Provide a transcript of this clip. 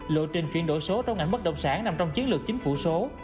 lộ trình chuyển đổi số trong ngành bất động sản nằm trong chiến lược chính phủ số